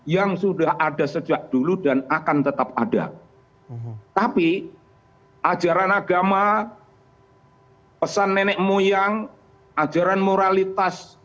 yang sudah ada sejak dulu dan akan tetap ada tapi ajaran agama pesan nenek moyang ajaran moralitas